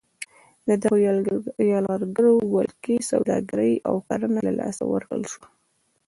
د دغو یرغلګرو ولکې سوداګري او کرنه له لاسه ورکړل شوه.